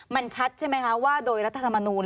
มันชัดใช่ไหมคะว่าโดยรัฐธรรมนูล